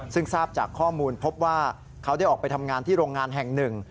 ซึ่งทราบจากข้อมูลพบว่าเขาได้ออกไปทำงานที่โรงงานแห่งหนึ่ง